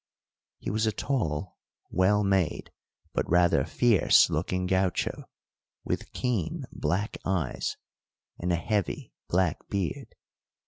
He was a tall, well made, but rather fierce looking gaucho, with keen black eyes, and a heavy black beard.